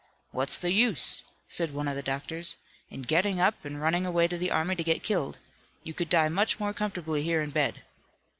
'What's the use,' said one of the doctors, 'in getting up and running away to the army to get killed? You could die much more comfortably here in bed.'